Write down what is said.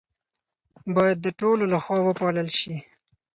باید د ټولو لخوا وپالل شي.